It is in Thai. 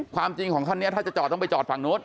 ความจริงของคันนี้ถ้าจะจอดต้องไปจอดฝั่งนู้น